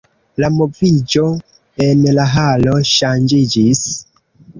La moviĝo en la halo ŝanĝiĝis.